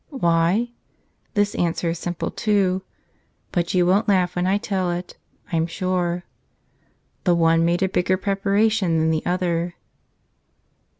Why? This answer is simple, too ; but you won't laugh when I tell it, I'm sure. The one made a bigger preparation than the other